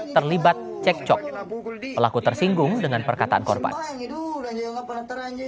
terlibat cekcok pelaku tersinggung dengan perkataan korban hidupnya terangnya ini